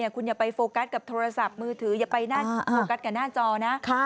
คุณอย่าไปโฟกัสกับโทรศัพท์มือถืออย่าไปนั่งโฟกัสกับหน้าจอนะ